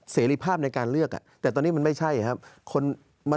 เสรีภาพในการเลือกแต่ตอนนี้มันไม่ใช่ครับ